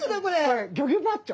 これギョギョパッチョ？